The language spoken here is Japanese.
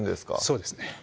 そうですね